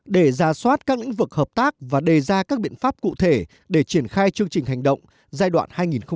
để ra soát các lĩnh vực hợp tác và đề ra các biện pháp cụ thể để triển khai chương trình hành động giai đoạn hai nghìn một mươi chín hai nghìn hai mươi năm